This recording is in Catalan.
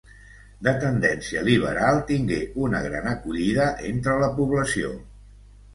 De tendència liberal, tingué una gran acollida entre la població.